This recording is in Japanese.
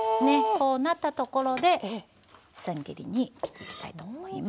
こうなったところでせん切りに切っていきたいと思います。